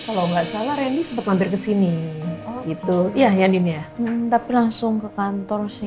kalau enggak salah rendy sempet mampir kesini gitu ya ini ya tapi langsung ke kantor sih